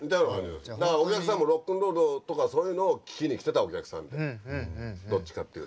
だからお客さんもロックンロールとかそういうのを聴きに来てたお客さんでどっちかっていうと。